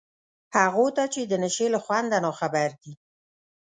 هغو ته چي د نشې له خونده ناخبر دي